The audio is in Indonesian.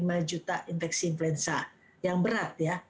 tiga sampai lima juta infeksi influenza yang berat ya